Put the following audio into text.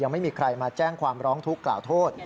ไม่มีใครมาแจ้งความร้องทุกข์กล่าวโทษ